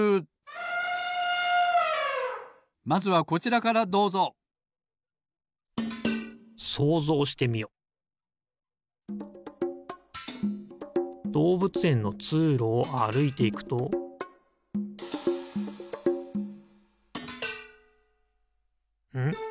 ほんじつはまずはこちらからどうぞどうぶつえんのつうろをあるいていくとん？